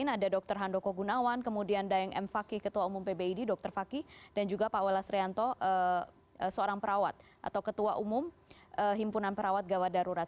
ada dr handoko gunawan kemudian dayeng m fakih ketua umum pbid dr fakih dan juga pak welas rianto seorang perawat atau ketua umum himpunan perawat gawat darurat